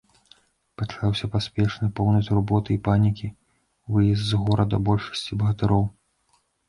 Пачаўся паспешны, поўны турботы і панікі, выезд з горада большасці багатыроў.